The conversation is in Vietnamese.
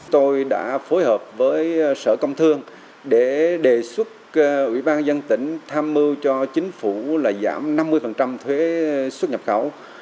tôi đã phối hợp với sở công thương để đề xuất ủy ban dân tỉnh tham mưu cho chính phủ là giảm năm mươi thuế xuất nhập khẩu